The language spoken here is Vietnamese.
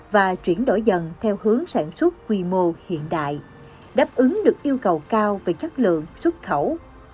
và chuyển đổi dần theo hướng sản xuất quy mô hiện đại đáp ứng được yêu cầu cao về chất lượng xuất khẩu